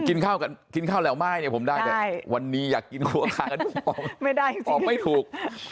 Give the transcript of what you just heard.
กินข้าวเหล่าไม้เนี่ยผมได้แต่วันนี้อยากกินคั่วข้างก็ออกไม่ถูก